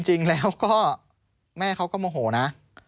จริงแล้วก็แม่เขาก็โมโหนะ